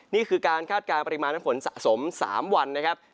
นี่คือการคาดการณ์ปริมาณน้ำฝนสะสม๓วันนะครับ